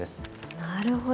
なるほど。